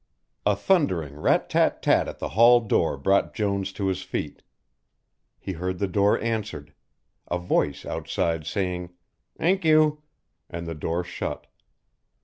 A thundering rat tat tat at the hall door brought Jones to his feet. He heard the door answered, a voice outside saying "N'k you" and the door shut.